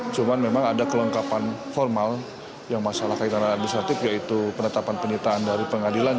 cuma memang ada kelengkapan formal yang masalah kaitan administratif yaitu penetapan penyitaan dari pengadilan